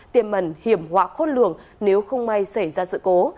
tiềm mẩn hiểm họa khôn lường nếu không may xảy ra sự cố